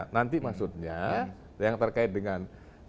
nanti maksudnya yang terkait dengan